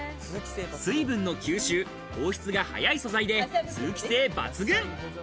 水分の吸収放出が早い素材で通気性抜群。